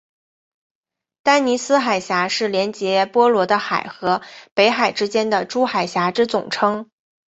丹尼斯海峡是连结波罗的海和北海之间的诸海峡之总称。